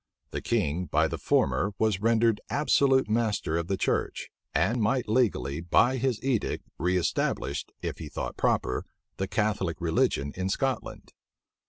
The king by the former was rendered absolute master of the church, and might legally, by his edict, reëstablish, if he thought proper, the Catholic religion in Scotland.